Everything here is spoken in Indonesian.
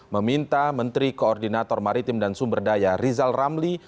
meminta menteri koordinator maritim dan sumberdaya rizal ramli